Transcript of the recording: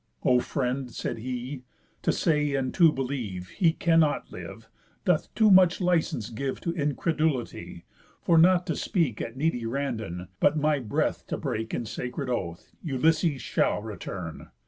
"O friend," said he, "to say, and to believe, He cannot live, doth too much licence give To incredulity; for, not to speak At needy randon, but my breath to break In sacred oath, Ulysses shall return.